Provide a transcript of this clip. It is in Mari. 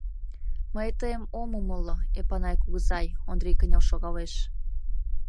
— Мый тыйым ом умыло, Эпанай кугызай, — Ондрий кынел шогалеш.